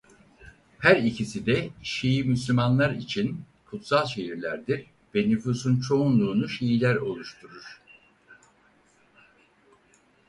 Her ikisi de Şii Müslümanlar için kutsal şehirlerdir ve nüfusun çoğunluğunu Şiiler oluşturur.